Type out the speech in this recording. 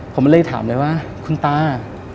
ผมเลยถามเลยว่าคุณตา